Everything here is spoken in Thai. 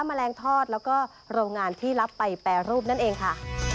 แมลงทอดแล้วก็โรงงานที่รับไปแปรรูปนั่นเองค่ะ